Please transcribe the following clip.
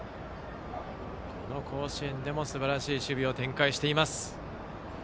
甲子園でもすばらしい守備を展開しています。